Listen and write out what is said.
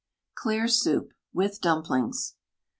CLEAR SOUP (with Dumplings).